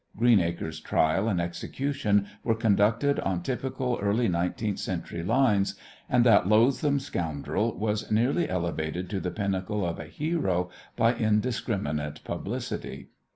Greenacre's trial and execution were conducted on typical early nineteenth century lines, and that loathsome scoundrel was nearly elevated to the pinnacle of a hero by indiscriminate publicity.